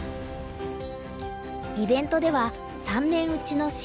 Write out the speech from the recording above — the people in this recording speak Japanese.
イベントでは３面打ちの指導碁。